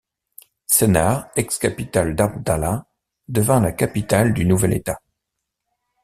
Sennar, ex-capitale d'Abdallah, devint la capitale du nouvel État.